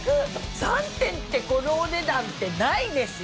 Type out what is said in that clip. ３点でこのお値段ってないですよ。